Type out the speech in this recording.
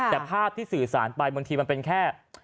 แต่ภาพที่สื่อสารไปบางทีมันเป็นแค่